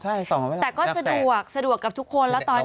ใช่๒ไม่ใช่หลักแสนแต่ก็สะดวกสะดวกกับทุกคนแล้วตอนนี้